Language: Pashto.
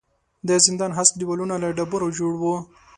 د زندان هسک دېوالونه له ډبرو جوړ وو.